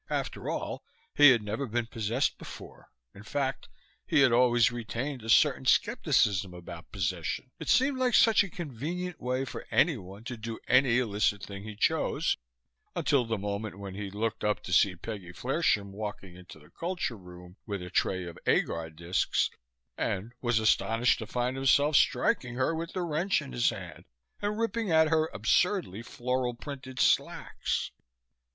After all, he had never been possessed before; in fact, he had always retained a certain skepticism about "possession" it seemed like such a convenient way for anyone to do any illicit thing he chose until the moment when he looked up to see Peggy Flershem walking into the culture room with a tray of agar disks, and was astonished to find himself striking her with the wrench in his hand and ripping at her absurdly floral printed slacks.